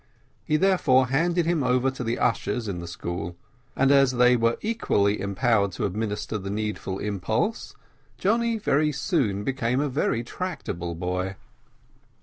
He therefore handed him over to the ushers in the school, and as they were equally empowered to administer the needful impulse, Johnny very soon became a very tractable boy.